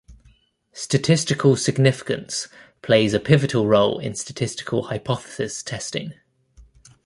Statistical significance plays a pivotal role in statistical hypothesis testing.